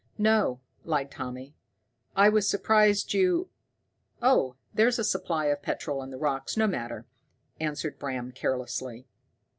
"No," lied Tommy. "I was surprised you " "Oh, there's a supply of petrol in the rocks. No matter," answered Bram carelessly.